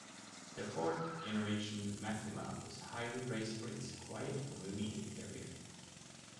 The fourth generation Maxima was highly praised for its quiet, roomy interior.